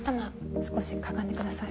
少しかがんでください